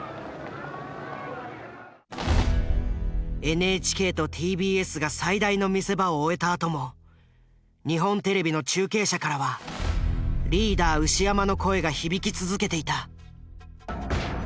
ＮＨＫとＴＢＳが最大の見せ場を終えたあとも日本テレビの中継車からはリーダー牛山の声が響き続けていた。